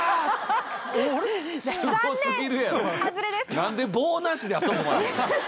何で棒なしであそこまで行くねん！